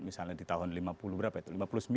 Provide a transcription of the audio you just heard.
misalnya di tahun lima puluh berapa itu